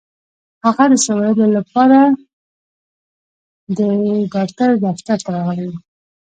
هغه د څه ويلو لپاره د ډاکټر دفتر ته راغلې وه.